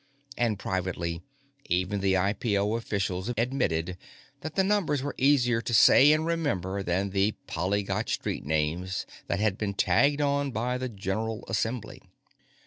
And, privately, even the IPO officials admitted that the numbers were easier to say and remember than the polyglot street names that had been tagged on by the General Assembly.